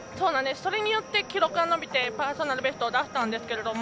それによって記録が伸びてパーソナルベストを出したんですけど